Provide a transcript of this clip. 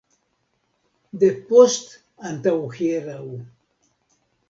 Depost antaŭhieraŭ.